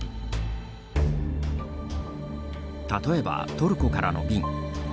例えば、トルコからの便。